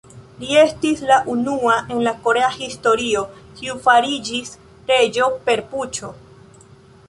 Li estis la unua en la korea historio, kiu fariĝis reĝo per puĉo.